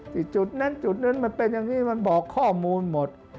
จุดนั้นจุดนั้นมันเป็นอย่างนี้มันบอกข้อมูลหมด